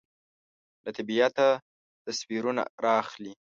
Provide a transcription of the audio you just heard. له طبیعته تصویرونه رااخلي